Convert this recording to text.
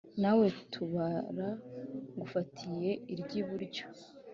nawe tabara ngufatiye iryiburyo